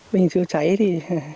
mình chưa cháy thì